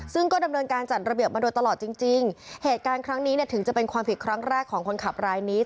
ซึ่งก็ดำเนินการจัดระเบียบมาโดยตลอดจริงจริงเหตุการณ์ครั้งนี้เนี่ยถึงจะเป็นความผิดครั้งแรกของคนขับรายนี้